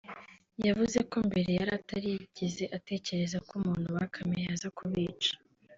yavuze ko mbere yari atarigeze atekereza ko umuntu bakamiye yaza kubica